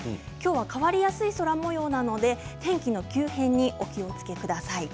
変わりやすい空もようなので天気の急変にお気をつけください。